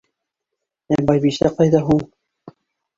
—Ә Байбисә ҡайҙа һуң?